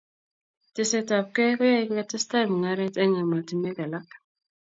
testai ab kei koyae ko testai mungaret eng' ematinwek alak